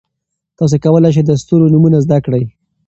تاسي کولای شئ د ستورو نومونه زده کړئ.